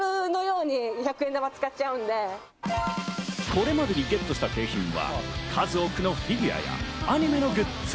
これまでにゲットした景品は数多くのフィギュアやアニメのグッズ。